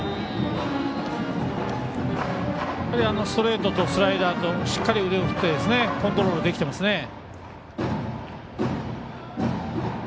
ストレートとスライダーとしっかり腕を振ってコントロールできてますね。